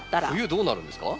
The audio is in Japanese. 冬どうなるんですか？